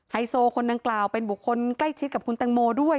ไฮโซคนดังกล่าวเป็นบุคคลใกล้ชิดกับคุณแตงโมด้วย